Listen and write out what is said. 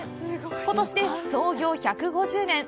ことしで創業１５０年。